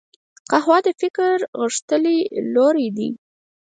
قهوه د فکر غښتلي لوری دی